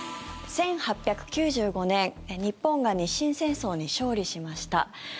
１８９５年日本が日清戦争に勝利しました。